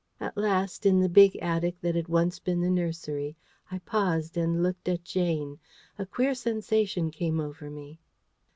At last, in the big attic that had once been the nursery, I paused and looked at Jane. A queer sensation came over me.